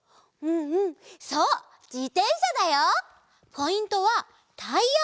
ポイントはタイヤ！